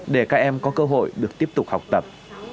để các em có cơ hội được tiếp tục học tập